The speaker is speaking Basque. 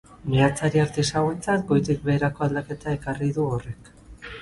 Meatzari artisauentzat goitik beherako aldaketa ekarri du horrek.